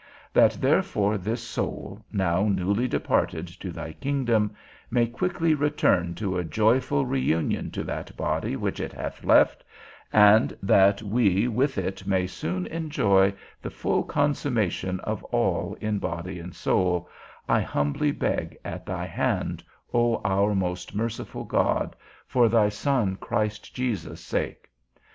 That therefore this soul, now newly departed to thy kingdom, may quickly return to a joyful reunion to that body which it hath left, and that we with it may soon enjoy the full consummation of all in body and soul, I humbly beg at thy hand, O our most merciful God, for thy Son Christ Jesus' sake.